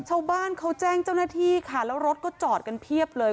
ชาวบ้านเขาแจ้งเจ้าหน้าที่ค่ะแล้วรถก็จอดกันเพียบเลย